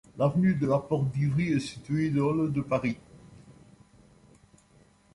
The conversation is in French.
L'avenue de la Porte-d'Ivry est située dans le de Paris.